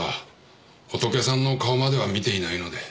ホトケさんの顔までは見ていないので。